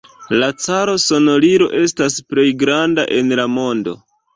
La Caro-Sonorilo estas plej granda en la mondo.